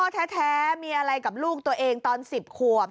แท้มีอะไรกับลูกตัวเองตอน๑๐ขวบ